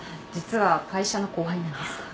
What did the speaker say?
実は会社の後輩なんです。